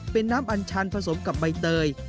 เป็นน้ำอัญชันผสมกับใบเตย